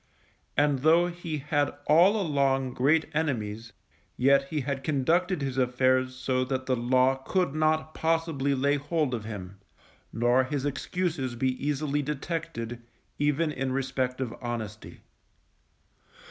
And though he had all along great enemies, yet he had conducted his affairs so that the Law could not possibly lay hold of him, nor his excuses be easily detected, even in respect of honesty.